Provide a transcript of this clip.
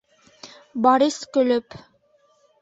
Борис көлөп: